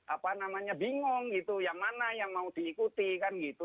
apa namanya bingung gitu yang mana yang mau diikuti kan gitu